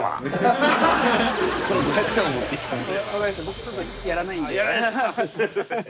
僕ちょっとやらないんでやらない